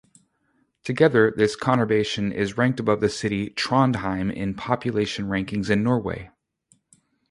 Together, this conurbation is ranked above the city Trondheim in population rankings in Norway.